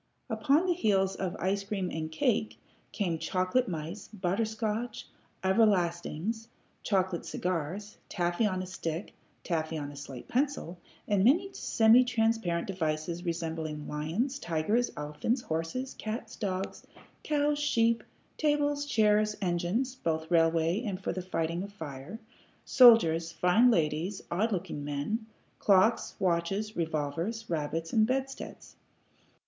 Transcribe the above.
Upon the heels of ice cream and cake came chocolate mice, butter scotch, "everlastings," chocolate cigars, taffy on a stick, taffy on a slate pencil, and many semi transparent devices resembling lions, tigers, elephants, horses, cats, dogs, cows, sheep, tables, chairs, engines (both railway and for the fighting of fire), soldiers, fine ladies, odd looking men, clocks, watches, revolvers, rabbits, and bedsteads.